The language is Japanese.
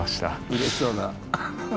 うれしそうだ。